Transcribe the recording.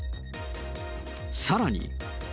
さらに。